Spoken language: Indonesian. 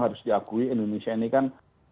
harus diakui indonesia ini kan